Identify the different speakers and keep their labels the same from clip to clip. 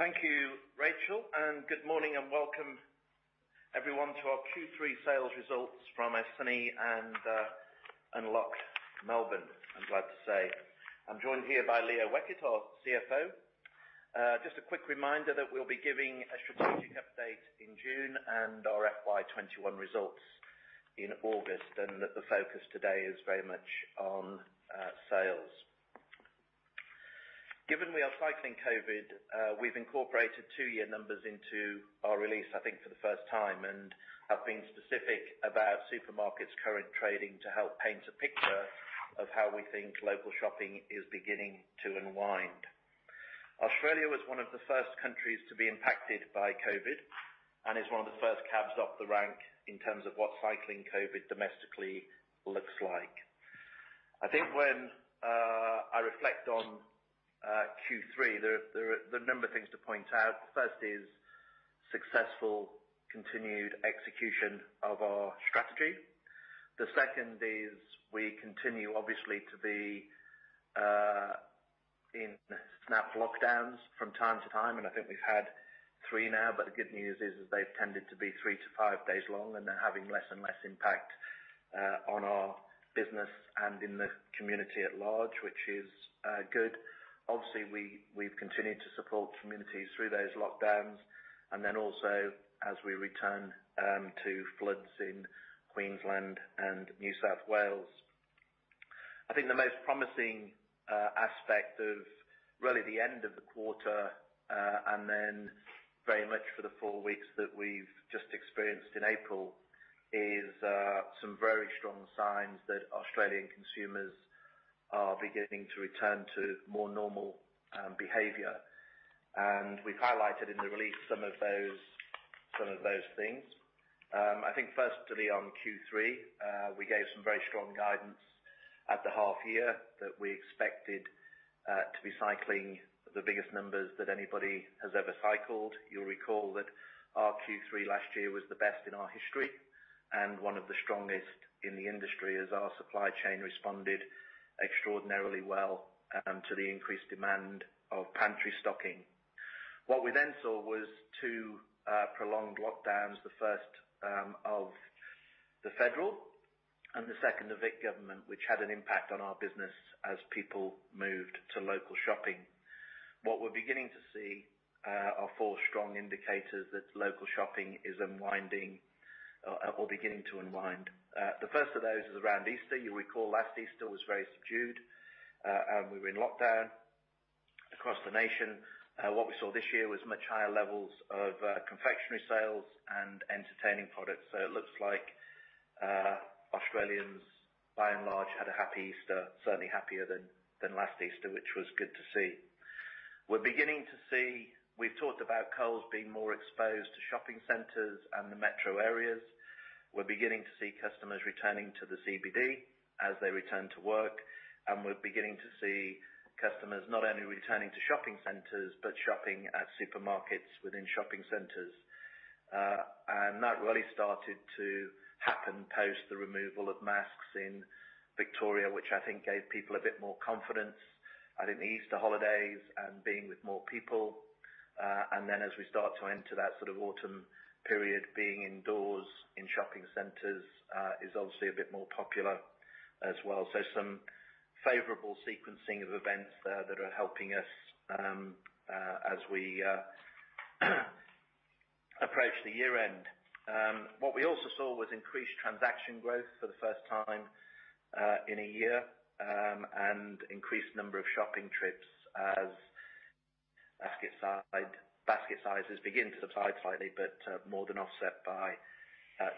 Speaker 1: Thank you, Rachel. Good morning and welcome everyone to our Q3 sales results from Hawthorn East and locked Melbourne, I'm glad to say. I'm joined here by Leah Weckert, our CFO. Just a quick reminder that we'll be giving a strategic update in June and our FY 2021 results in August. The focus today is very much on sales. Given we are cycling COVID, we've incorporated two year numbers into our release, I think for the first time, and have been specific about supermarkets current trading to help paint a picture of how we think local shopping is beginning to unwind. Australia was one of the first countries to be impacted by COVID and is one of the first cabs off the rank in terms of what cycling COVID domestically looks like. I think when I reflect on Q3, there are a number of things to point out. The first is successful continued execution of our strategy. The second is we continue obviously to be in snap lockdowns from time to time, and I think we've had three now, but the good news is they've tended to be three to five days long, and they're having less and less impact on our business and in the community at large, which is good. Obviously, we've continued to support communities through those lockdowns and then also as we return to floods in Queensland and New South Wales. I think the most promising aspect of really the end of the quarter, and then very much for the four weeks that we've just experienced in April, is some very strong signs that Australian consumers are beginning to return to more normal behavior. We've highlighted in the release some of those things. I think firstly on Q3, we gave some very strong guidance at the half year that we expected to be cycling the biggest numbers that anybody has ever cycled. You'll recall that our Q3 last year was the best in our history and one of the strongest in the industry as our supply chain responded extraordinarily well to the increased demand of pantry stocking. We then saw was two prolonged lockdowns, the first of the federal and the second of Vic government, which had an impact on our business as people moved to local shopping. We're beginning to see are four strong indicators that local shopping is unwinding or beginning to unwind. The first of those is around Easter. You'll recall last Easter was very subdued, and we were in lockdown across the nation. What we saw this year was much higher levels of confectionery sales and entertaining products. It looks like Australians by and large, had a happy Easter, certainly happier than last Easter, which was good to see. We've talked about Coles being more exposed to shopping centers and the metro areas. We're beginning to see customers returning to the CBD as they return to work, and we're beginning to see customers not only returning to shopping centers, but shopping at supermarkets within shopping centers. That really started to happen post the removal of masks in Victoria, which I think gave people a bit more confidence, I think the Easter holidays and being with more people. As we start to enter that sort of autumn period, being indoors in shopping centers, is obviously a bit more popular as well. Some favorable sequencing of events there that are helping us as we approach the year end. What we also saw was increased transaction growth for the first time in a year, and increased number of shopping trips as basket sizes begin to subside slightly, but more than offset by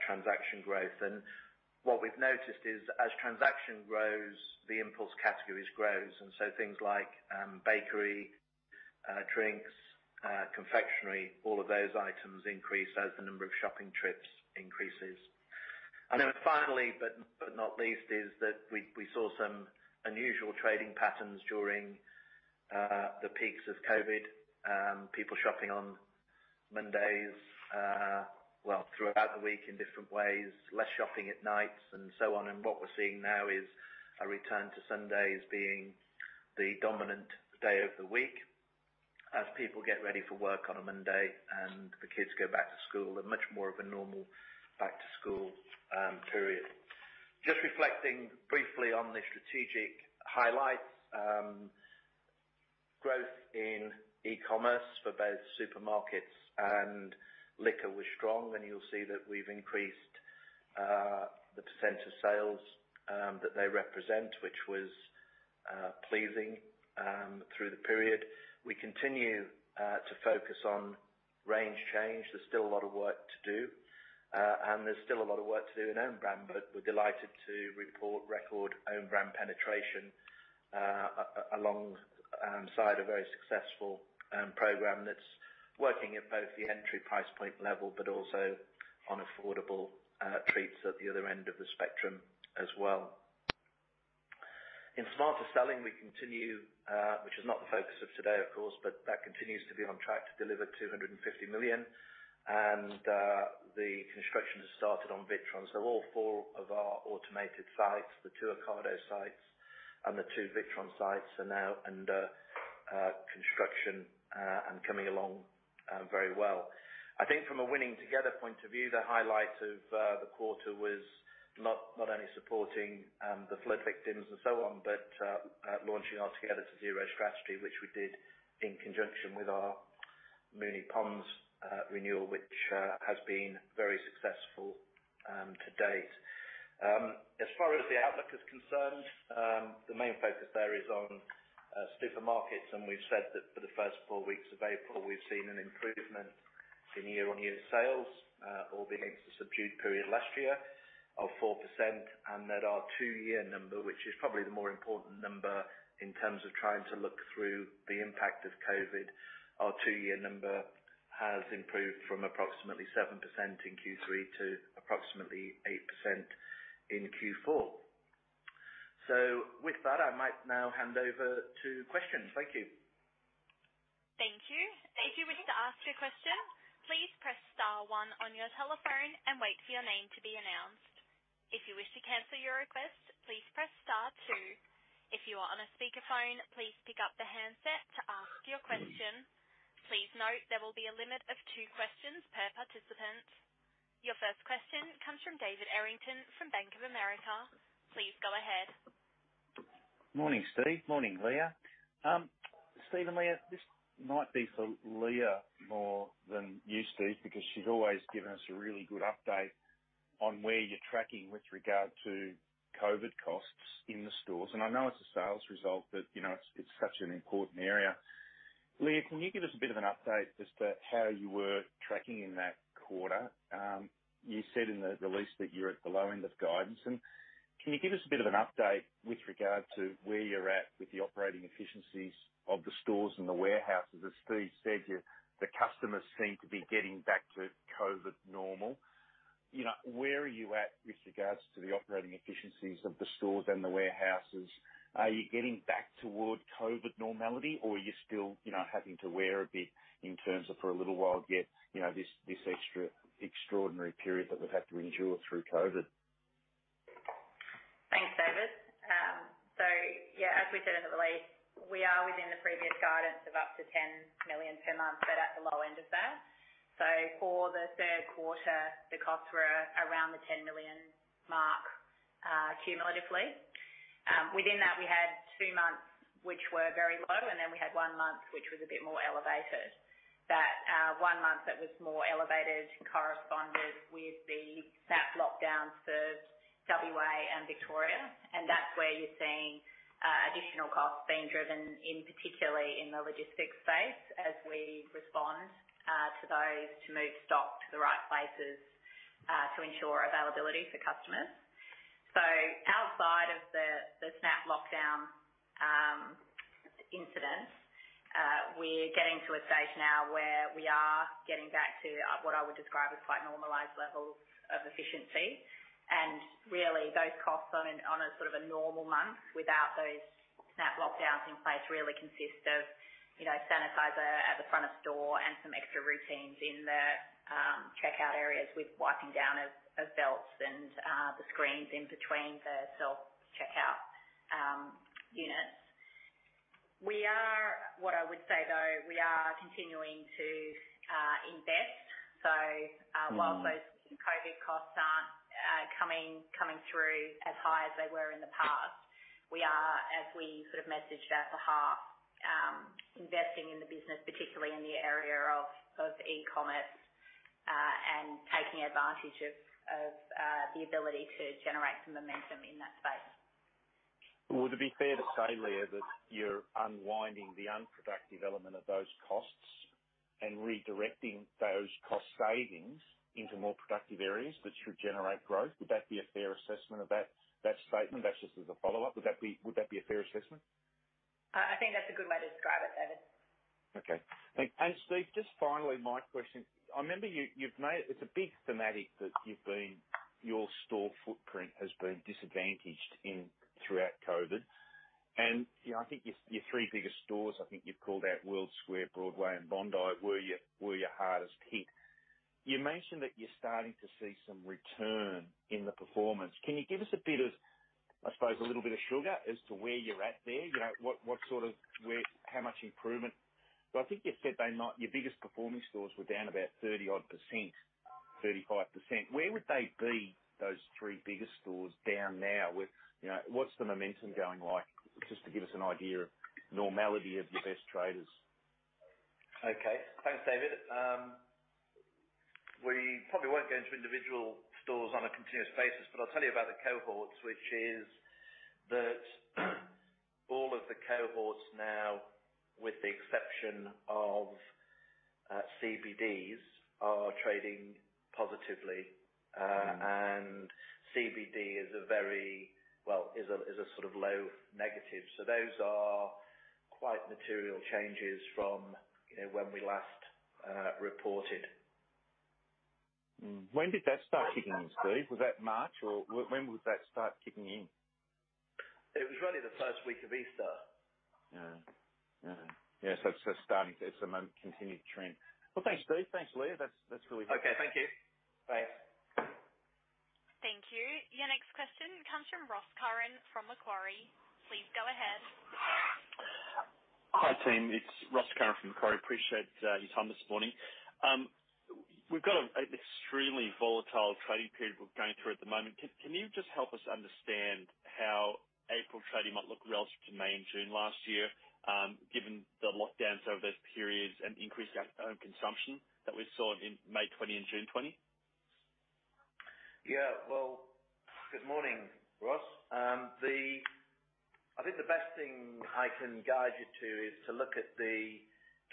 Speaker 1: transaction growth. What we've noticed is as transaction grows, the impulse categories grows, things like bakery, drinks, confectionery, all of those items increase as the number of shopping trips increases. Finally, but not least, is that we saw some unusual trading patterns during the peaks of COVID. People shopping on Mondays, well, throughout the week in different ways, less shopping at nights and so on. What we're seeing now is a return to Sundays being the dominant day of the week as people get ready for work on a Monday and the kids go back to school and much more of a normal back to school period. Just reflecting briefly on the strategic highlights, growth in eCommerce for both supermarkets and liquor was strong, and you'll see that we've increased the percentage of sales that they represent, which was pleasing through the period. We continue to focus on range change. There's still a lot of work to do, and there's still a lot of work to do in Own Brand, but we're delighted to report record Own Brand penetration alongside a very successful program that's working at both the entry price point level, but also on affordable treats at the other end of the spectrum as well. In Smarter Selling, we continue, which is not the focus of today, of course, but that continues to be on track to deliver 250 million. The construction has started on Witron. All four of our automated sites, the two Ocado sites and the two Witron sites are now under construction and coming along very well. I think from a winning together point of view, the highlight of the quarter was not only supporting the flood victims and so on, but launching our Together to Zero strategy, which we did in conjunction with our Moonee Ponds renewal, which has been very successful to date. As far as the outlook is concerned, the main focus there is on supermarket, and we've said that for the first four weeks of April, we've seen an improvement in year-on-year sales, albeit against a subdued period last year, of 4%, and that our two-year number, which is probably the more important number in terms of trying to look through the impact of COVID, our two-year number has improved from approximately 7% in Q3 to approximately 8% in Q4. With that, I might now hand over to questions. Thank you.
Speaker 2: Your first question comes from David Errington from Bank of America. Please go ahead.
Speaker 3: Morning, Steve. Morning, Leah. Steve and Leah, this might be for Leah more than you, Steve, because she's always given us a really good update on where you're tracking with regard to COVID costs in the stores. I know it's a sales result, but it's such an important area. Leah, can you give us a bit of an update as to how you were tracking in that quarter? You said in the release that you're at the low end of guidance. Can you give us a bit of an update with regard to where you're at with the operating efficiencies of the stores and the warehouses? As Steve said, the customers seem to be getting back to COVID normal. Where are you at with regards to the operating efficiencies of the stores and the warehouses? Are you getting back toward COVID normality or are you still having to wear a bit in terms of for a little while yet, this extraordinary period that we've had to endure through COVID?
Speaker 4: Thanks, David. Yeah, as we said in the release, we are within the previous guidance of up to 10 million per month, but at the low end of that. For the third quarter, the costs were around the 10 million mark cumulatively. Within that, we had two months which were very low, and then we had one month which was a bit more elevated. That one month that was more elevated corresponded with the snap lockdowns of WA and Victoria, and that's where you're seeing additional costs being driven in, particularly in the logistics space as we respond to those to move stock to the right places, to ensure availability for customers. Outside of the snap lockdown incidents, we're getting to a stage now where we are getting back to what I would describe as quite normalized levels of efficiency. Really, those costs on a sort of a normal month without those snap lockdowns in place really consist of sanitizer at the front of store and some extra routines in the checkout areas with wiping down of belts and the screens in between the self-checkout units. What I would say, though, we are continuing to invest. While those COVID costs aren't coming through as high as they were in the past, we are, as we sort of messaged at the half, investing in the business, particularly in the area of eCommerce, and taking advantage of the ability to generate some momentum in that space.
Speaker 3: Would it be fair to say, Leah, that you're unwinding the unproductive element of those costs and redirecting those cost savings into more productive areas that should generate growth? Would that be a fair assessment of that statement? That's just as a follow-up. Would that be a fair assessment?
Speaker 4: I think that's a good way to describe it, David.
Speaker 3: Okay. Steve, just finally, my question. I remember it's a big thematic that your store footprint has been disadvantaged throughout COVID. I think your three biggest stores, I think you've called out World Square, Broadway and Bondi, were your hardest hit. You mentioned that you're starting to see some return in the performance. Can you give us a bit of, I suppose a little bit of sugar as to where you're at there? How much improvement? I think you said your biggest performing stores were down about 30-odd percent, 35%. Where would they be, those three biggest stores down now? What's the momentum going like? Just to give us an idea of normality of your best traders.
Speaker 1: Okay. Thanks, David. We probably won't go into individual stores on a continuous basis, but I'll tell you about the cohorts, which is that all of the cohorts now, with the exception of CBDs, are trading positively. CBD is a very, well, is a sort of low negative. Those are quite material changes from when we last reported.
Speaker 3: When did that start kicking in, Steven? Was that March, or when would that start kicking in?
Speaker 1: It was really the first week of Easter.
Speaker 3: Yeah. It's a continued trend. Well, thanks, Steve. Thanks, Leah. That's really helpful.
Speaker 1: Okay, thank you. Bye.
Speaker 2: Thank you. Your next question comes from Ross Curran from Macquarie. Please go ahead.
Speaker 5: Hi, team. It's Ross Curran from Macquarie. Appreciate your time this morning. We've got an extremely volatile trading period we're going through at the moment. Can you just help us understand how April trading might look relative to May and June last year, given the lockdowns over those periods and increased out-of-home consumption that we saw in May 2020 and June 2020?
Speaker 1: Good morning, Ross. I think the best thing I can guide you to is to look at the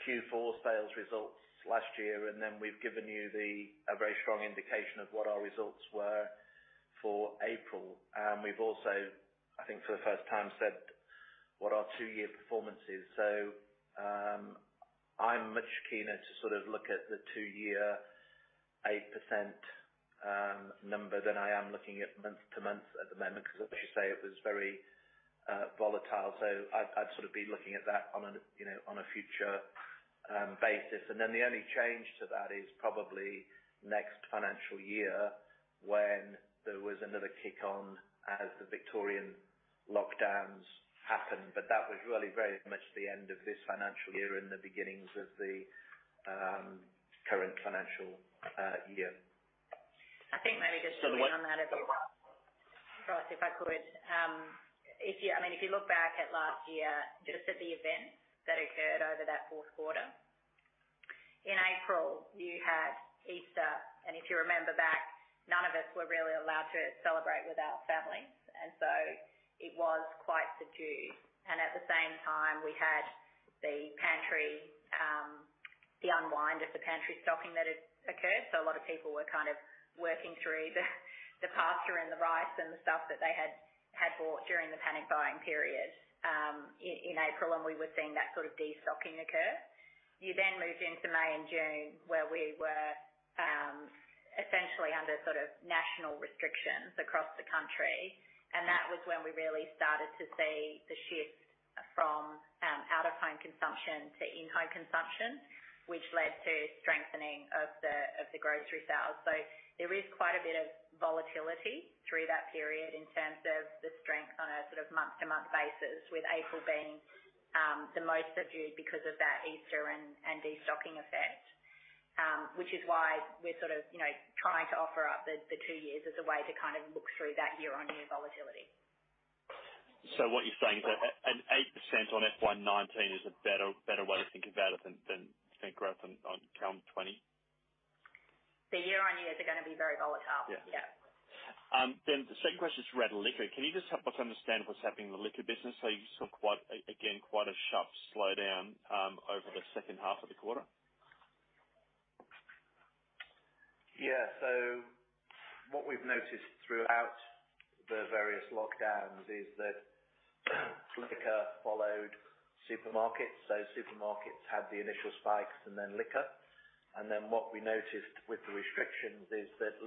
Speaker 1: Q4 sales results last year. We've given you a very strong indication of what our results were for April. We've also, I think for the first time, said what our two-year performance is. I'm much keener to look at the two-year 8% number than I am looking at month-to-month at the moment, because as you say, it was very volatile. I'd be looking at that on a future basis. The only change to that is probably next financial year when there was another kick on as the Victorian lockdowns happened. That was really very much the end of this financial year and the beginnings of the current financial year.
Speaker 4: I think maybe just to lean on that a bit, Ross, if I could. If you look back at last year, just at the events that occurred over that fourth quarter. In April, you had Easter, and if you remember back, none of us were really allowed to celebrate with our families, and so it was quite subdued. At the same time, we had the unwind of the pantry stocking that had occurred. A lot of people were kind of working through the pasta and the rice and the stuff that they had bought during the panic buying period, in April, and we were seeing that sort of de-stocking occur. You moved into May and June, where we were essentially under national restrictions across the country, and that was when we really started to see the shift from out-of-home consumption to in-home consumption, which led to strengthening of the grocery sales. There is quite a bit of volatility through that period in terms of the strength on a month-to-month basis, with April being the most subdued because of that Easter and de-stocking effect, which is why we're trying to offer up the two years as a way to look through that year-on-year volatility.
Speaker 5: What you're saying is that an 8% on FY 2019 is a better way to think about it than growth on current FY 2020?
Speaker 4: The year-on-years are going to be very volatile.
Speaker 5: Yeah.
Speaker 4: Yeah.
Speaker 5: The second question is around liquor. Can you just help us understand what's happening in the liquor business? You saw, again, quite a sharp slowdown over the second half of the quarter.
Speaker 1: Yeah. What we've noticed throughout the various lockdowns is that liquor followed supermarkets. Supermarkets had the initial spikes and then liquor. What we noticed with the restrictions is that the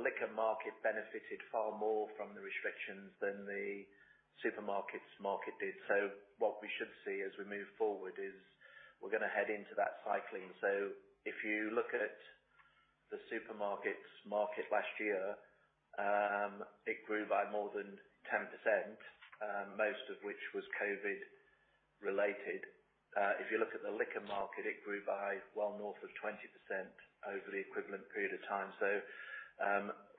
Speaker 1: liquor market benefited far more from the restrictions than the supermarkets market did. What we should see as we move forward is we're going to head into that cycling. If you look at the supermarkets market last year, it grew by more than 10%, most of which was COVID related. If you look at the liquor market, it grew by well north of 20% over the equivalent period of time.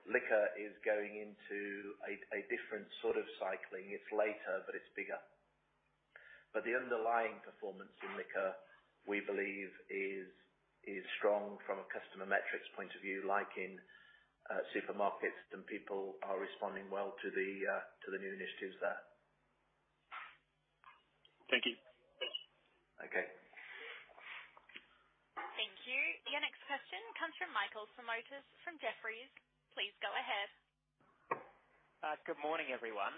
Speaker 1: Liquor is going into a different sort of cycling. It's later, but it's bigger. The underlying performance in liquor, we believe, is strong from a customer metrics point of view, like in supermarkets, and people are responding well to the new initiatives there.
Speaker 5: Thank you.
Speaker 1: Okay.
Speaker 2: Thank you. Your next question comes from Michael Simotas from Jefferies. Please go ahead.
Speaker 6: Good morning, everyone.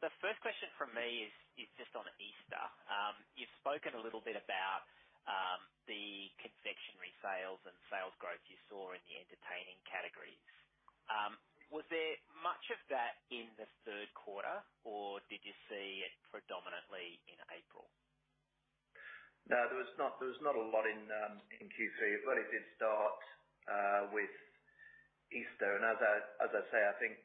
Speaker 6: The first question from me is just on Easter. You've spoken a little bit about the confectionery sales and sales growth you saw in the entertaining categories. Was there much of that in the third quarter, or did you see it predominantly in April?
Speaker 1: There was not a lot in Q3, but it did start with Easter. As I say, I think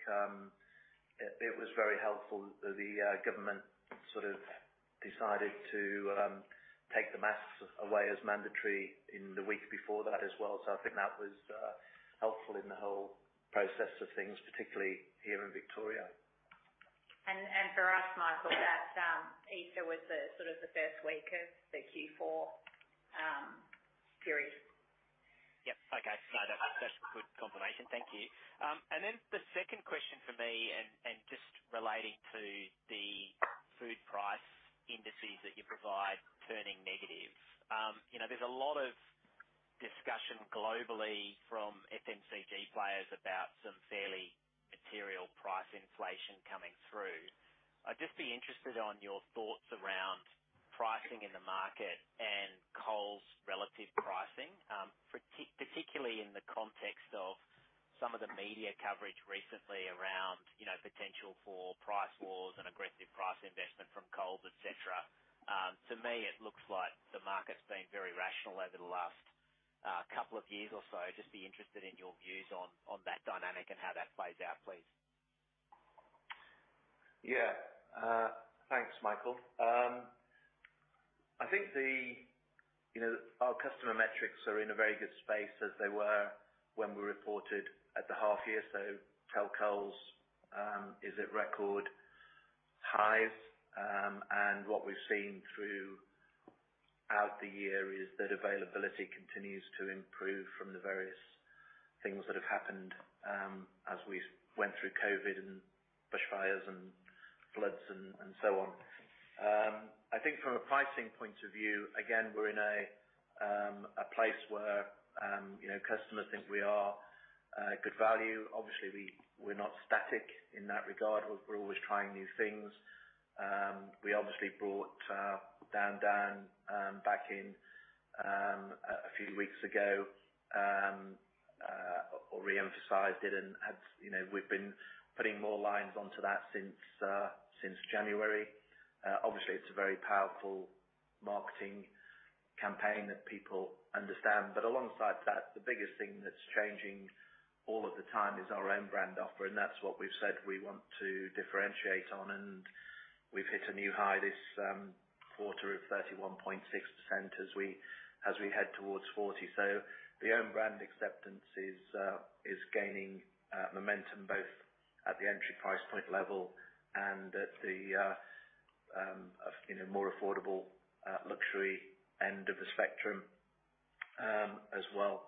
Speaker 1: it was very helpful that the government sort of decided to take the masks away as mandatory in the week before that as well. I think that was helpful in the whole process of things, particularly here in Victoria.
Speaker 4: For us, Michael, that Easter was the first week of the Q4 period.
Speaker 6: Yep. Okay. That's good confirmation. Thank you. The second question from me, and just relating to the food price indices that you provide turning negative. There's a lot of discussion globally from FMCG players about some fairly material price inflation coming through. I'd just be interested on your thoughts around pricing in the market and Coles relative pricing, particularly in the context of some of the media coverage recently around potential for price wars and aggressive price investment from Coles, et cetera. To me, it looks like the market's been very rational over the last couple of years or so. I'd just be interested in your views on that dynamic and how that plays out, please.
Speaker 1: Yeah. Thanks, Michael. I think our customer metrics are in a very good space as they were when we reported at the half year. Coles is at record highs, and what we've seen throughout the year is that availability continues to improve from the various things that have happened as we went through COVID and bushfires and floods and so on. I think from a pricing point of view, again, we're in a place where customers think we are good value. Obviously, we're not static in that regard. We're always trying new things. We obviously brought Down Down back in a few weeks ago, or re-emphasized it, and we've been putting more lines onto that since January. Obviously, it's a very powerful marketing campaign that people understand. Alongside that, the biggest thing that's changing all of the time is our Own Brand offer, and that's what we've said we want to differentiate on, and we've hit a new high this quarter of 31.6% as we head towards 40. The Own Brand acceptance is gaining momentum both at the entry price point level and at the more affordable luxury end of the spectrum as well.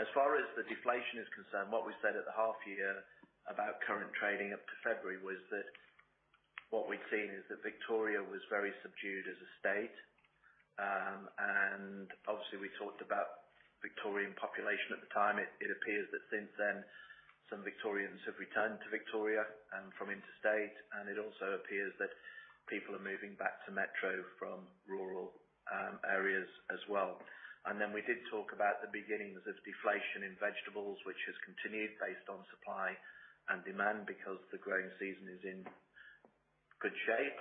Speaker 1: As far as the deflation is concerned, what we said at the half year about current trading up to February was that what we'd seen is that Victoria was very subdued as a state. Obviously we talked about Victorian population at the time. It appears that since then, some Victorians have returned to Victoria and from interstate, and it also appears that people are moving back to Metro from rural areas as well. We did talk about the beginnings of deflation in vegetables, which has continued based on supply and demand because the growing season is in good shape,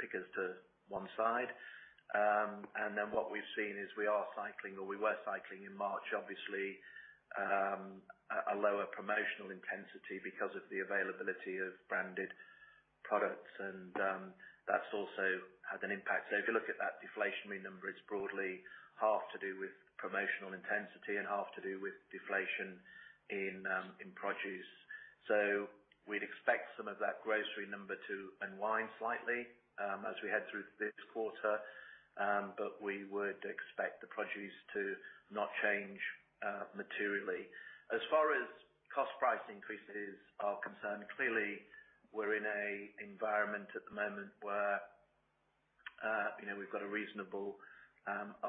Speaker 1: pickers to one side. What we've seen is we are cycling, or we were cycling in March, obviously, a lower promotional intensity because of the availability of branded products, and that's also had an impact. If you look at that deflationary number, it's broadly half to do with promotional intensity and half to do with deflation in produce. We'd expect some of that grocery number to unwind slightly as we head through this quarter, but we would expect the produce to not change materially. As far as cost price increases are concerned, clearly, we're in an environment at the moment where we've got a reasonable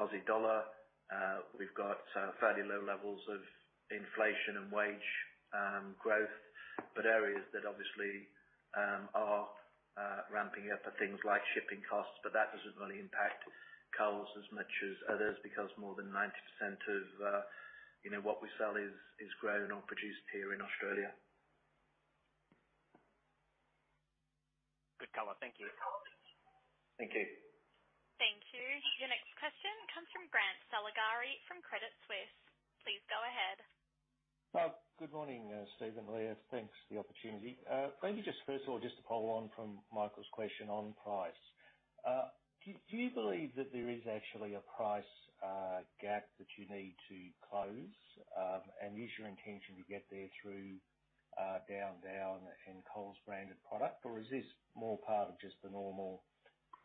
Speaker 1: Aussie dollar. We've got fairly low levels of inflation and wage growth, but areas that obviously are ramping up are things like shipping costs, but that doesn't really impact Coles as much as others because more than 90% of what we sell is grown or produced here in Australia.
Speaker 6: Good color. Thank you.
Speaker 1: Thank you.
Speaker 2: Thank you. Your next question comes from Grant Saligari from Credit Suisse. Please go ahead.
Speaker 7: Good morning, Steve and Leah. Thanks for the opportunity. Maybe just first of all, just to follow on from Michael's question on price. Do you believe that there is actually a price gap that you need to close? Is your intention to get there through Down Down and Coles branded product, or is this more part of just the normal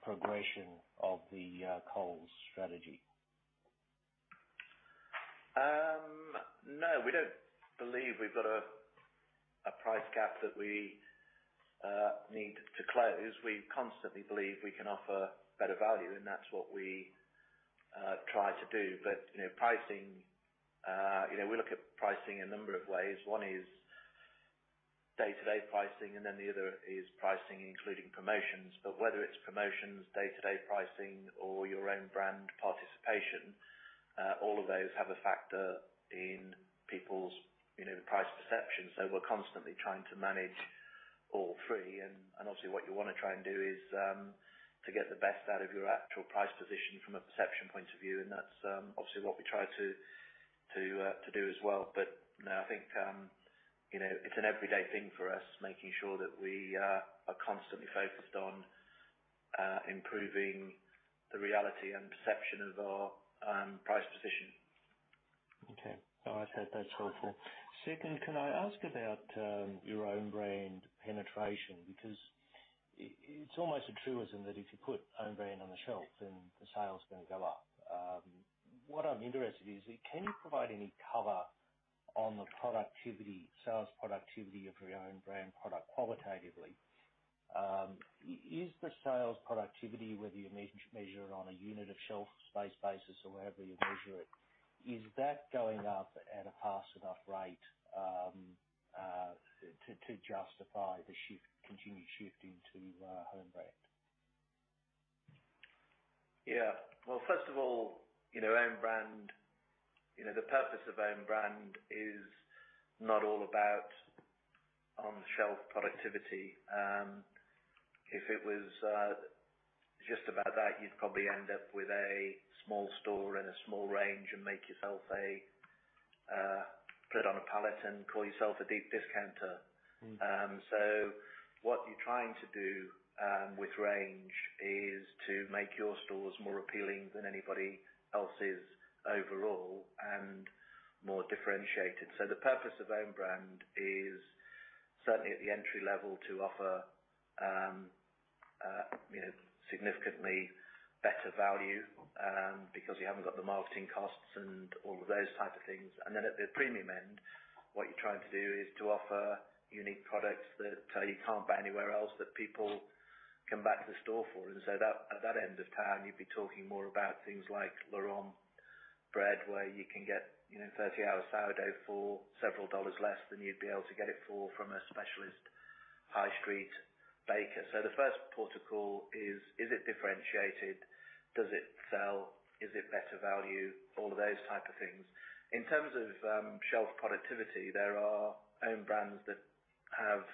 Speaker 7: progression of the Coles strategy?
Speaker 1: No, we don't believe we've got a price gap that we need to close. We constantly believe we can offer better value, that's what we try to do. We look at pricing a number of ways. One is day-to-day pricing, the other is pricing, including promotions. Whether it's promotions, day-to-day pricing, or your Own Brand participation, all of those have a factor in people's price perception. We're constantly trying to manage all three, obviously, what you want to try and do is to get the best out of your actual price position from a perception point of view, that's obviously what we try to do as well. No, I think, it's an everyday thing for us, making sure that we are constantly focused on improving the reality and perception of our price position.
Speaker 7: I said that's helpful. Can I ask about your Own Brand penetration? It's almost a truism that if you put Own Brand on the shelf, then the sales going to go up. What I'm interested is, can you provide any color on the sales productivity of your Own Brand product qualitatively? Is the sales productivity, whether you measure it on a unit of shelf space basis or however you measure it, is that going up at a fast enough rate to justify the continued shift into Own Brand?
Speaker 1: Yeah. Well, first of all, the purpose of Own Brand is not all about on-the-shelf productivity. If it was just about that, you'd probably end up with a small store and a small range and make yourself put on a pallet and call yourself a deep discounter. What you're trying to do, with range, is to make your stores more appealing than anybody else's overall and more differentiated. The purpose of Own Brand is certainly at the entry level to offer significantly better value, because you haven't got the marketing costs and all of those type of things. Then at the premium end, what you're trying to do is to offer unique products that you can't buy anywhere else, that people come back to the store for. At that end of town, you'd be talking more about things like Laurent bread, where you can get 30 hours sourdough for several dollars less than you'd be able to get it for from a specialist high street baker. The first port of call is it differentiated? Does it sell? Is it better value? All of those type of things. In terms of shelf productivity, there are Own Brands that have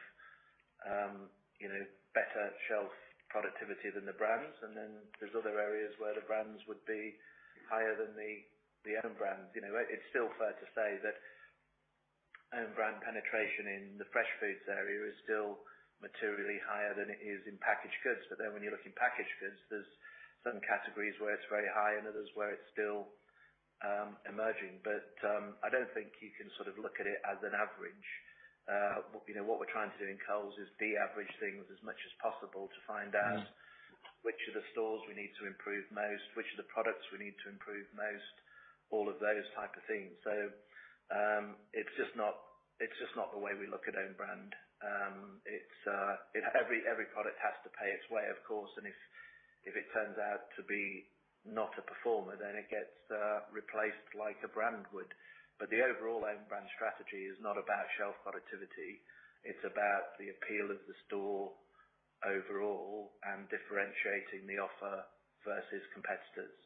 Speaker 1: better shelf productivity than the brands. There's other areas where the brands would be higher than the Own Brands. It's still fair to say that Own Brand penetration in the fresh foods area is still materially higher than it is in packaged goods. When you look in packaged goods, there's certain categories where it's very high and others where it's still emerging. I don't think you can look at it as an average. What we're trying to do in Coles is de-average things as much as possible to find out- which of the stores we need to improve most, which of the products we need to improve most, all of those type of things. It's just not the way we look at Own Brand. Every product has to pay its way, of course, and if it turns out to be not a performer, then it gets replaced like a brand would. The overall Own Brand strategy is not about shelf productivity, it's about the appeal of the store overall and differentiating the offer versus competitors.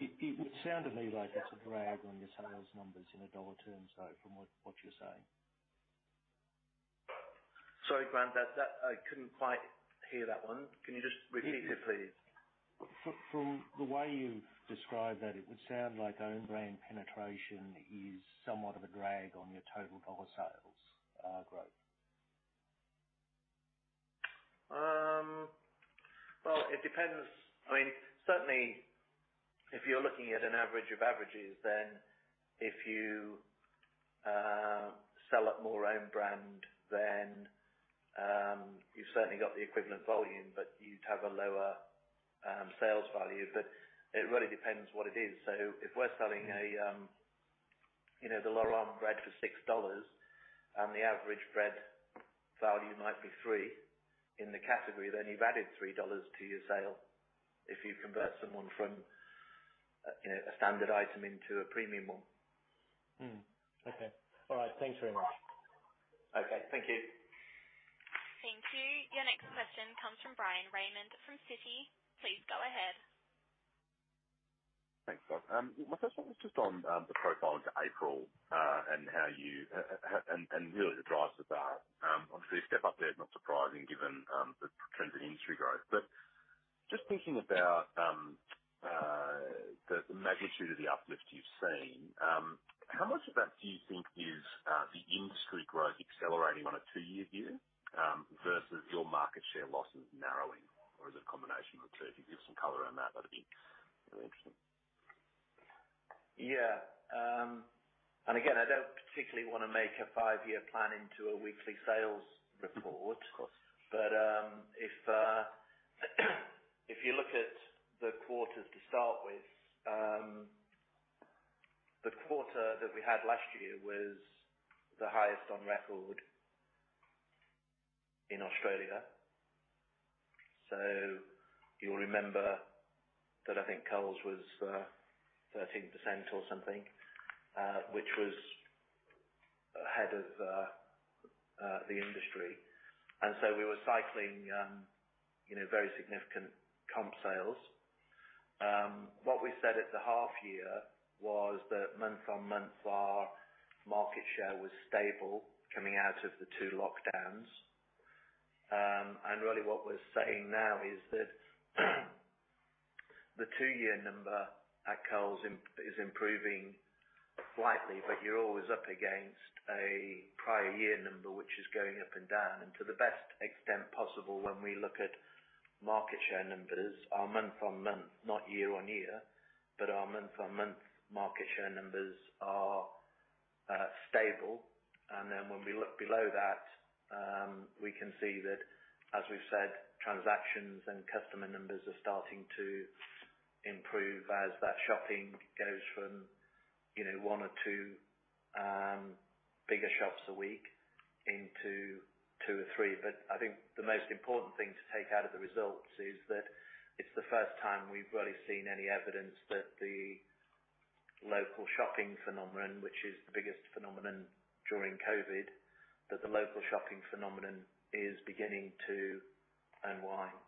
Speaker 7: It would sound to me like it's a drag on your sales numbers in AUD terms, though, from what you're saying.
Speaker 1: Sorry, Grant, I couldn't quite hear that one. Can you just repeat it, please?
Speaker 7: From the way you described that, it would sound like Own Brand penetration is somewhat of a drag on your total dollar sales growth.
Speaker 1: It depends. Certainly, if you're looking at an average of averages, if you sell up more Own Brand, you've certainly got the equivalent volume, but you'd have a lower sales value. It really depends what it is. If we're selling the Laurent bread for 6 dollars and the average bread value might be three in the category, you've added 3 dollars to your sale if you convert someone from a standard item into a premium one.
Speaker 7: Okay. All right. Thanks very much.
Speaker 1: Okay. Thank you.
Speaker 2: Thank you. Your next question comes from Bryan Raymond from Citi. Please go ahead.
Speaker 8: Thanks. My first one was just on the profile into April, and really the drivers of that. Obviously, the step up there is not surprising given the trends in industry growth. Just thinking about the magnitude of the uplift you've seen, how much of that do you think is the industry growth accelerating on a two-year view, versus your market share losses narrowing? Is it a combination of the two? If you could give some color on that'd be really interesting.
Speaker 1: Yeah. Again, I don't particularly want to make a five-year plan into a weekly sales report.
Speaker 8: Of course.
Speaker 1: If you look at the quarters to start with, the quarter that we had last year was the highest on record in Australia. You'll remember that I think Coles was 13% or something, which was ahead of the industry. We were cycling very significant comp sales. What we said at the half year was that month-on-month, our market share was stable coming out of the two lockdowns. Really what we're saying now is that the two-year number at Coles is improving slightly, but you're always up against a prior year number, which is going up and down. To the best extent possible when we look at market share numbers are month-on-month, not year-on-year, but our month-on-month market share numbers are stable. When we look below that, we can see that, as we've said, transactions and customer numbers are starting to improve as that shopping goes from one or two bigger shops a week into two or three. I think the most important thing to take out of the results is that it's the first time we've really seen any evidence that the local shopping phenomenon, which is the biggest phenomenon during COVID, that the local shopping phenomenon is beginning to unwind.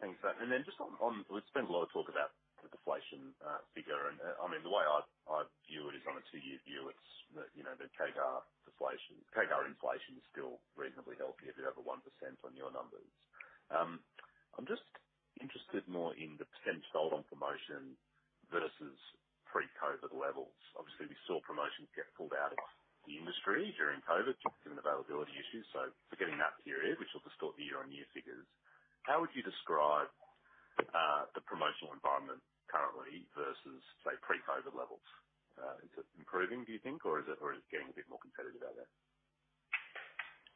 Speaker 8: Thanks for that. Just on, we've spent a lot of talk about the deflation figure, and the way I view it is on a two-year view. It's the CAGR deflation. CAGR inflation is still reasonably healthy, a bit over 1% on your numbers. I'm just interested more in the percentage sold on promotion versus pre-COVID levels. Obviously, we saw promotions get pulled out of the industry during COVID due to availability issues. Forgetting that period, which will distort the year-on-year figures, how would you describe the promotional environment currently versus, say, pre-COVID levels? Is it improving, do you think, or is it getting a bit more competitive out there?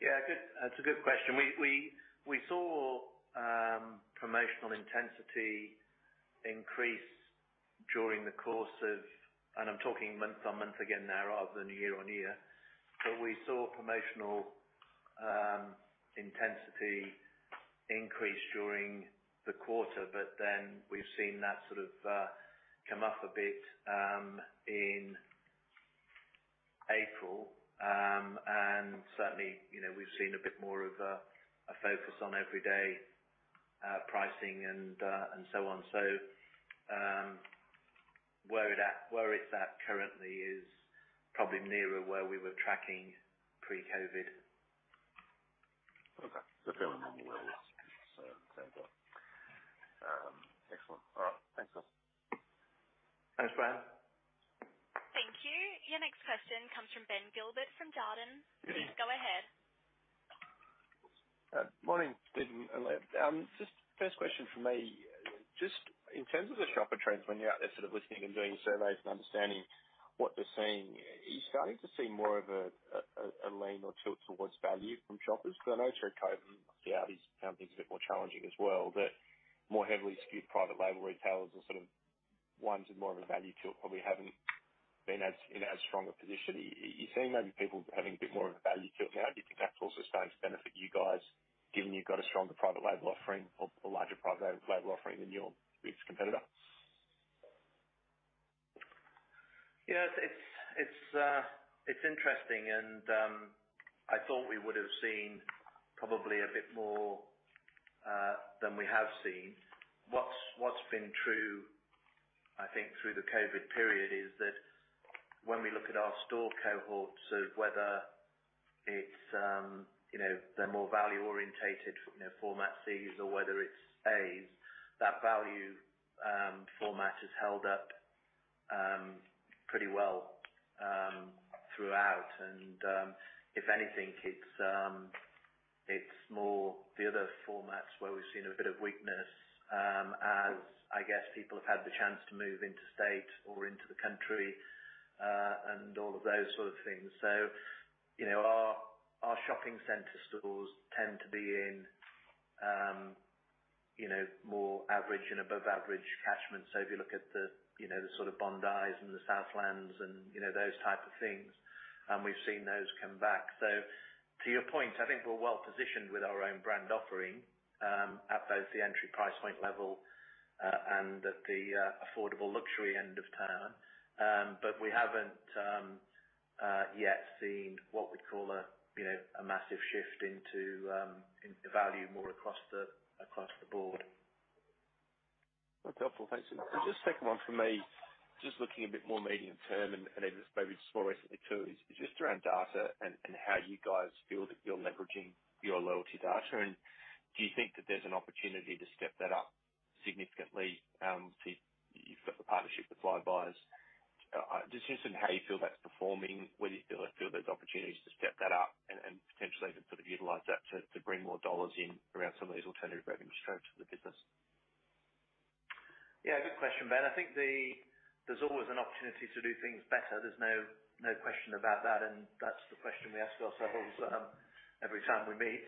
Speaker 1: Yeah, that's a good question. We saw promotional intensity increase during the course of, I'm talking month-on-month again now rather than year-on-year. We saw promotional intensity increase during the quarter, we've seen that sort of come off a bit in April. Certainly, we've seen a bit more of a focus on everyday pricing and so on. Where it's at currently is probably nearer where we were tracking pre-COVID.
Speaker 8: Okay. Feeling normal levels. Sounds like. Excellent. All right, thanks, guys.
Speaker 1: Thanks, Ben.
Speaker 2: Thank you. Your next question comes from Ben Gilbert from Jarden. Please go ahead.
Speaker 9: Morning, Steven and Leah. Just first question from me. Just in terms of the shopper trends, when you're out there sort of listening and doing surveys and understanding what they're seeing, are you starting to see more of a lean or tilt towards value from shoppers? Because I know through COVID, obviously ALDI's found things a bit more challenging as well, but more heavily skewed private label retailers or sort of ones with more of a value tilt probably haven't been in as strong a position. Are you seeing maybe people having a bit more of a value tilt now? Do you think that's also starting to benefit you guys, given you've got a stronger private label offering or a larger private label offering than your biggest competitor?
Speaker 1: Yeah, it's interesting. I thought we would have seen probably a bit more than we have seen. What's been true, I think, through the COVID period is that when we look at our store cohorts of whether they're more value orientated format Cs or whether it's As, that value format has held up pretty well throughout. If anything, it's more the other formats where we've seen a bit of weakness as I guess people have had the chance to move interstate or into the country, and all of those sort of things. Our shopping center stores tend to be in more average and above average catchments. If you look at the sort of Bondis and the Southlands and those type of things, we've seen those come back. To your point, I think we're well positioned with our Own Brand offering, at both the entry price point level and at the affordable luxury end of town. We haven't yet seen what we'd call a massive shift into value more across the board.
Speaker 9: That's helpful. Thanks. Just second one from me, just looking a bit more medium term, and even maybe just more recently too, is just around data and how you guys feel that you're leveraging your loyalty data, and do you think that there's an opportunity to step that up significantly? You've got the partnership with Flybuys. Just interested in how you feel that's performing, whether you feel there's opportunities to step that up and potentially even utilize that to bring more dollars in around some of these alternative revenue streams for the business.
Speaker 1: Yeah, good question, Ben. I think there's always an opportunity to do things better. There's no question about that's the question we ask ourselves every time we meet.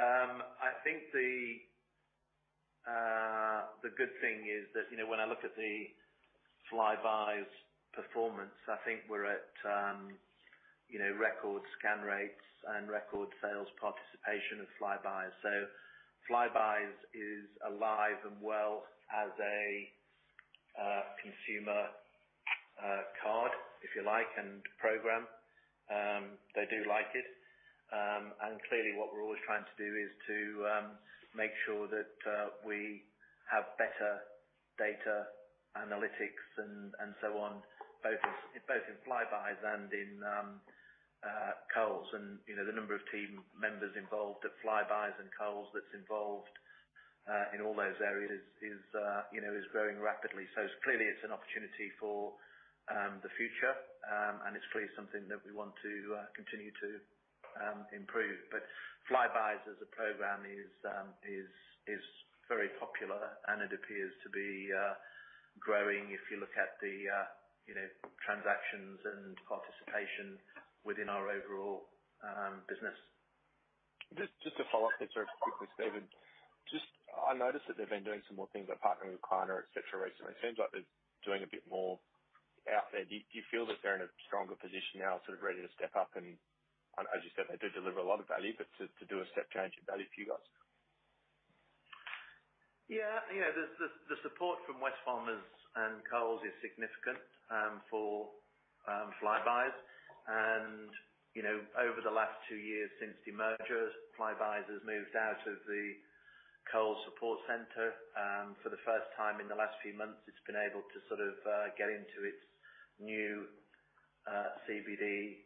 Speaker 1: I think the good thing is that when I look at the Flybuys performance, I think we're at record scan rates and record sales participation of Flybuys. Flybuys is alive and well as a consumer card, if you like, and program. They do like it. Clearly what we're always trying to do is to make sure that we have better data analytics and so on, both in Flybuys and in Coles. The number of team members involved at Flybuys and Coles that's involved in all those areas is growing rapidly. Clearly it's an opportunity for the future, and it's clearly something that we want to continue to improve. Flybuys as a program is very popular, and it appears to be growing if you look at the transactions and participation within our overall business.
Speaker 9: Just to follow up there sort of quickly, Steven. Just I noticed that they've been doing some more things. They're partnering with Klarna, et cetera, recently. It seems like they're doing a bit more out there. Do you feel that they're in a stronger position now, sort of ready to step up and as you said, they do deliver a lot of value, but to do a step change in value for you guys?
Speaker 1: Yeah. The support from Wesfarmers and Coles is significant for Flybuys. Over the last two years since demerger, Flybuys has moved out of the Coles support center. For the first time in the last few months, it's been able to get into its new CBD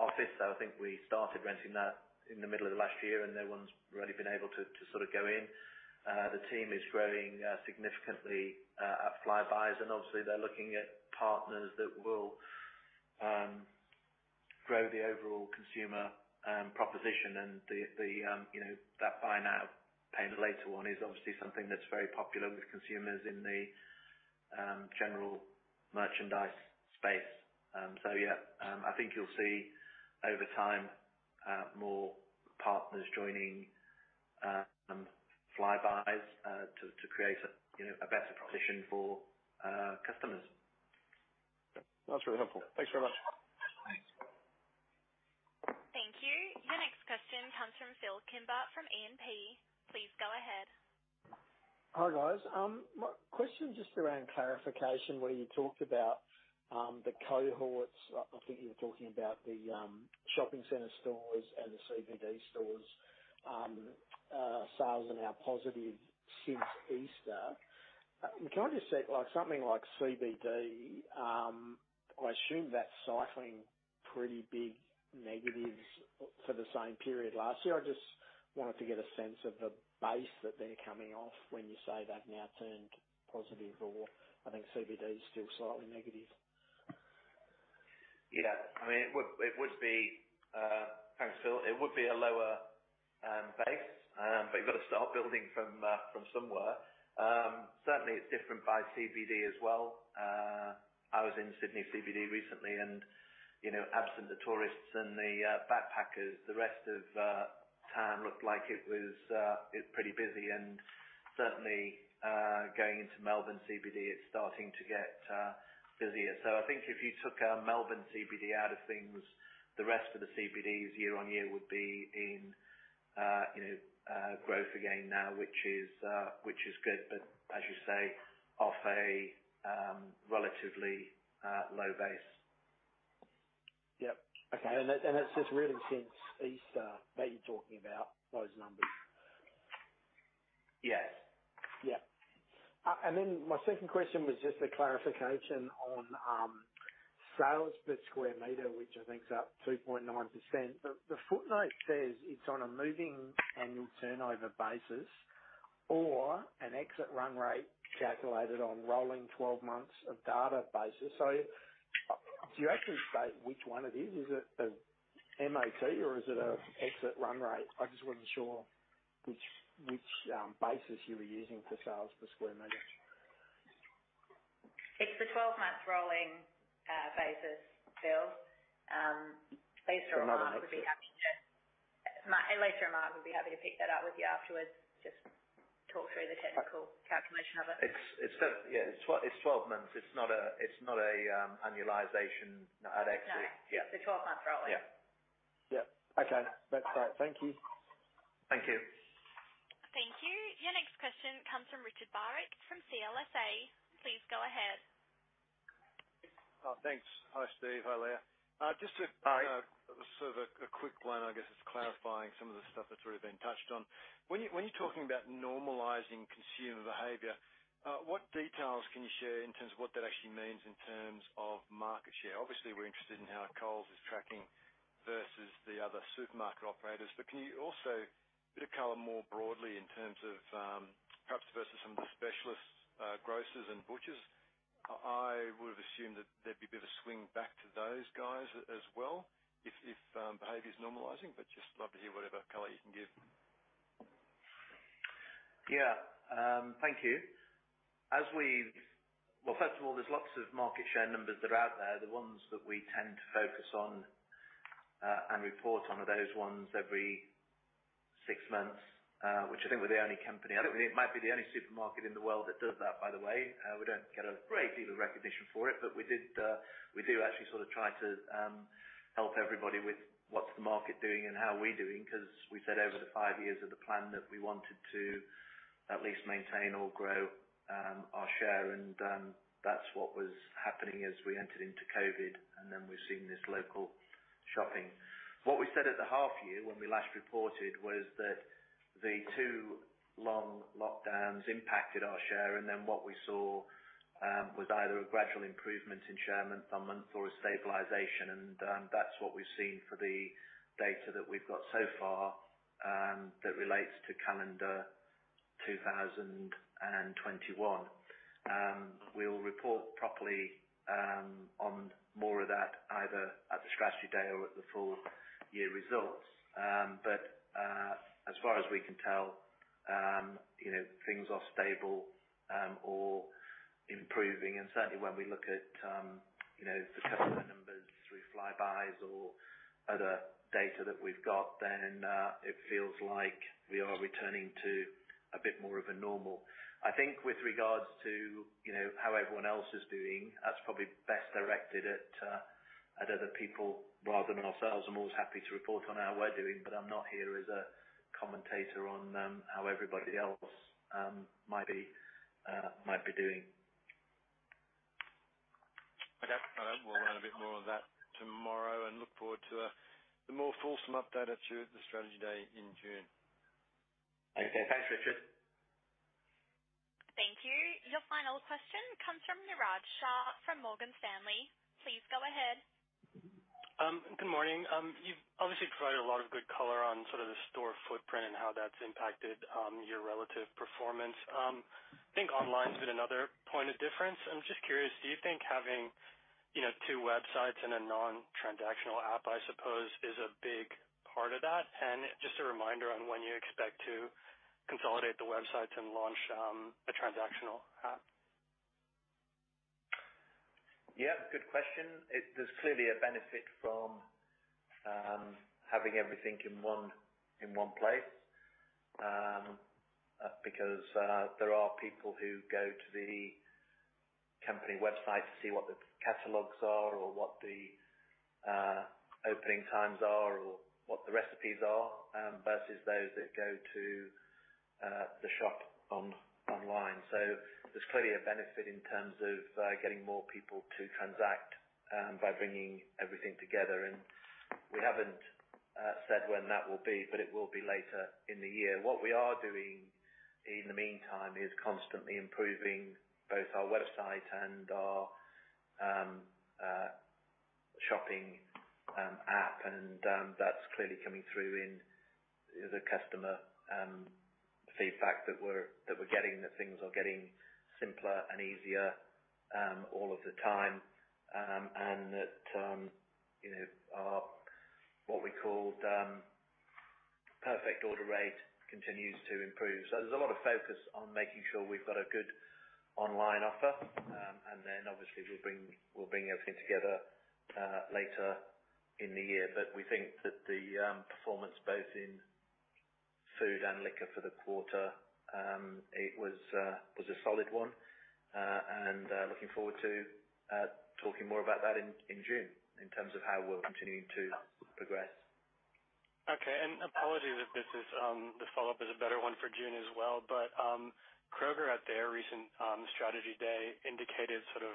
Speaker 1: office. I think we started renting that in the middle of last year, and no one's really been able to go in. The team is growing significantly at Flybuys, and obviously they're looking at partners that will grow the overall consumer proposition and that buy now, pay later one is obviously something that's very popular with consumers in the general merchandise space. Yeah, I think you'll see over time more partners joining Flybuys to create a better proposition for customers.
Speaker 9: That's really helpful. Thanks very much.
Speaker 1: Thanks.
Speaker 2: Thank you. Your next question comes from Phil Kimber from E&P. Please go ahead.
Speaker 10: Hi, guys. My question just around clarification where you talked about the cohorts, I think you were talking about the shopping center stores and the CBD stores' sales are now positive since Easter. Can I just say, something like CBD, I assume that's cycling pretty big negatives for the same period last year. I just wanted to get a sense of the base that they're coming off when you say they've now turned positive or I think CBD is still slightly negative.
Speaker 1: Yeah. Thanks, Phil. It would be a lower base, but you've got to start building from somewhere. Certainly, it's different by CBD as well. I was in Sydney CBD recently and absent the tourists and the backpackers, the rest of town looked like it was pretty busy and certainly going into Melbourne CBD, it's starting to get busier. I think if you took a Melbourne CBD out of things, the rest of the CBDs year-on-year would be in growth again now, which is good, but as you say, off a relatively low base.
Speaker 10: Yep. Okay. It's just really since Easter that you're talking about those numbers?
Speaker 1: Yes.
Speaker 10: Yeah. My second question was just a clarification on sales per square meter, which I think is up 2.9%. The footnote says it's on a moving annual turnover basis or an exit run rate calculated on rolling 12 months of data basis. Do you actually state which one it is? Is it a MAT or is it an exit run rate? I just wasn't sure which basis you were using for sales per square meter.
Speaker 4: It's the 12 months rolling basis, Phil. Lisa or Mark would be happy.
Speaker 10: Another exit.
Speaker 4: Lisa or Mark would be happy to pick that up with you afterwards, just talk through the technical calculation of it.
Speaker 1: Yeah, it's 12 months. It's not an annualization at exit.
Speaker 4: No.
Speaker 1: Yeah.
Speaker 4: It's a 12 month rolling.
Speaker 1: Yeah.
Speaker 10: Yep. Okay. That's great. Thank you.
Speaker 1: Thank you.
Speaker 2: Thank you. Your next question comes from Richard Barwick from CLSA. Please go ahead.
Speaker 11: Thanks. Hi, Steve. Hi, Leah.
Speaker 1: Hi.
Speaker 11: Just sort of a quick one, I guess, just clarifying some of the stuff that's already been touched on. When you're talking about normalizing consumer behavior, what details can you share in terms of what that actually means in terms of market share? Obviously, we're interested in how Coles is tracking versus the other supermarket operators. Can you also give a color more broadly in terms of perhaps versus some of the specialist grocers and butchers? I would have assumed that there'd be a bit of a swing back to those guys as well if behavior is normalizing. Just love to hear whatever color you can give.
Speaker 1: Yeah. Thank you. Well, first of all, there's lots of market share numbers that are out there. The ones that we tend to focus on and report on are those ones every six months, which I think we're the only company. I don't think it might be the only supermarket in the world that does that, by the way. We don't get a great deal of recognition for it, but we do actually sort of try to help everybody with what's the market doing and how we're doing, because we said over the five years of the plan that we wanted to at least maintain or grow our share, and that's what was happening as we entered into COVID, and then we've seen this local shopping. What we said at the half year when we last reported was that the two long lockdowns impacted our share, and then what we saw was either a gradual improvement in share month-on-month or a stabilization. That's what we've seen for the data that we've got so far that relates to calendar 2021. We'll report properly on more of that either at the strategy day or at the full year results. As far as we can tell, things are stable or improving. Certainly when we look at the customer numbers through Flybuys or other data that we've got, then it feels like we are returning to a bit more of a normal. I think with regards to how everyone else is doing, that's probably best directed at other people rather than ourselves. I'm always happy to report on how we're doing, but I'm not here as a commentator on how everybody else might be doing.
Speaker 11: Okay. We'll learn a bit more on that tomorrow and look forward to the more fulsome update at the strategy day in June.
Speaker 1: Okay. Thanks, Richard.
Speaker 2: Thank you. Your final question comes from Niraj Shah from Morgan Stanley. Please go ahead.
Speaker 12: Good morning. You've obviously provided a lot of good color on sort of the store footprint and how that's impacted your relative performance. I think online's been another point of difference. I'm just curious, do you think having two websites and a non-transactional app, I suppose, is a big part of that? Just a reminder on when you expect to consolidate the websites and launch a transactional app?
Speaker 1: Yeah, good question. There's clearly a benefit from having everything in one place, because there are people who go to the company website to see what the catalogs are or what the opening times are or what the recipes are, versus those that go to the shop online. There's clearly a benefit in terms of getting more people to transact by bringing everything together. We haven't said when that will be, but it will be later in the year. What we are doing in the meantime is constantly improving both our website and our shopping app, and that's clearly coming through in the customer feedback that we're getting, that things are getting simpler and easier all of the time, and that our what we call perfect order rate continues to improve. There's a lot of focus on making sure we've got a good online offer, and then obviously we'll bring everything together later in the year. We think that the performance, both in food and liquor for the quarter, it was a solid one. Looking forward to talking more about that in June in terms of how we're continuing to progress.
Speaker 12: Okay. Apologies if the follow-up is a better one for June as well. Kroger at their recent strategy day indicated sort of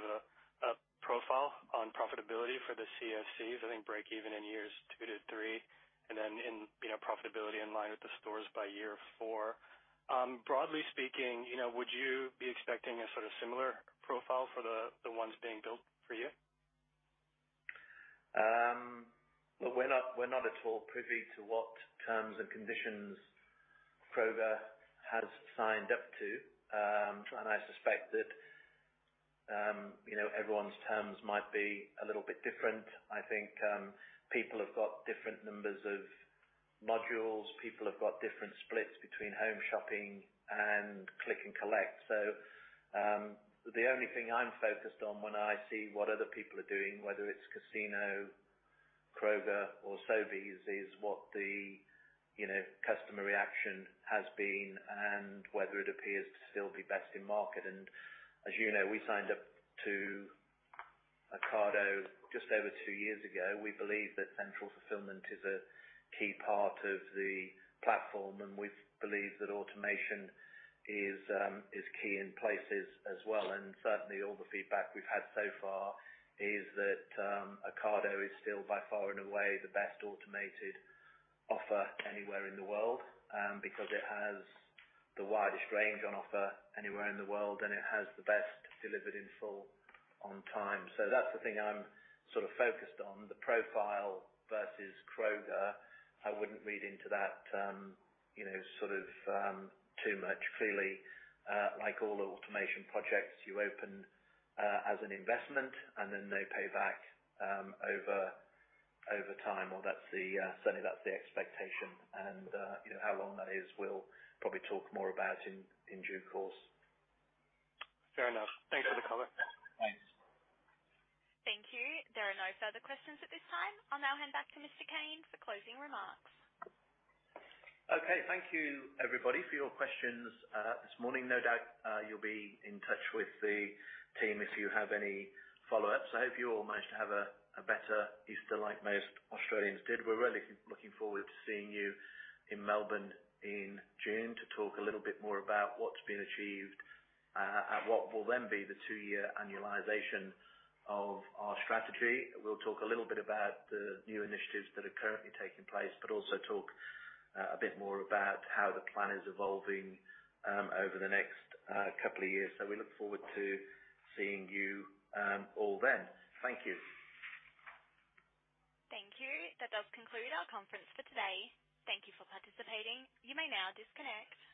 Speaker 12: a profile on profitability for the CFCs, I think breakeven in years two-three, and then profitability in line with the stores by year four. Broadly speaking, would you be expecting a sort of similar profile for the ones being built for you?
Speaker 1: We're not at all privy to what terms and conditions Kroger has signed up to. I suspect that everyone's terms might be a little bit different. I think people have got different numbers of modules. People have got different splits between home shopping and click and collect. The only thing I'm focused on when I see what other people doing, whether it's Casino, Kroger or Sobeys, is what the customer reaction has been and whether it appears to still be best in market. As you know, we signed up to Ocado just over two years ago. We believe that central fulfillment is a key part of the platform, and we believe that automation is key in places as well. Certainly, all the feedback we've had so far is that Ocado is still by far and away the best automated offer anywhere in the world, because it has the widest range on offer anywhere in the world, and it has the best delivered in full on time. That's the thing I'm sort of focused on. The profile versus Kroger, I wouldn't read into that too much. Clearly, like all automation projects, you open as an investment and then they pay back over time, or certainly that's the expectation. How long that is, we'll probably talk more about in due course.
Speaker 12: Fair enough. Thanks for the comment.
Speaker 1: Thanks.
Speaker 2: Thank you. There are no further questions at this time. I'll now hand back to Mr. Cain for closing remarks.
Speaker 1: Okay. Thank you, everybody, for your questions this morning. No doubt you'll be in touch with the team if you have any follow-ups. I hope you all managed to have a better Easter like most Australians did. We're really looking forward to seeing you in Melbourne in June to talk a little bit more about what's been achieved at what will then be the two-year annualization of our strategy. We'll talk a little bit about the new initiatives that are currently taking place, but also talk a bit more about how the plan is evolving over the next couple of years. We look forward to seeing you all then. Thank you.
Speaker 2: Thank you. That does conclude our conference for today. Thank you for participating. You may now disconnect.